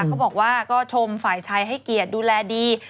เขาบอกว่าก็ชมฝ่ายชายให้เกียรติดูแลดี